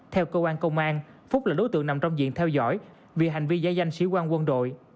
theo cơ quan công an phúc là đối tượng nằm trong diện theo dõi vì hành vi giải danh sĩ quan quân đội